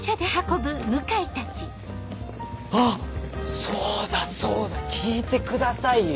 あっそうだそうだ聞いてくださいよ。